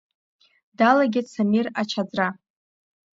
Далагеит Самир ачаӡра.